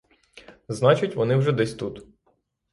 Значить, вони вже десь тут.